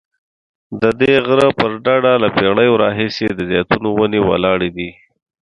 ددې غره پر ډډه له پیړیو راهیسې د زیتونو ونې ولاړې دي.